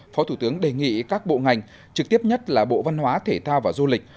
phó thủ tướng đề nghị các bộ ngành trực tiếp nhất là bộ văn hóa thể thao và du lịch